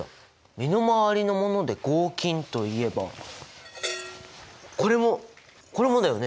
身の回りのもので合金といえばこれもこれもだよね？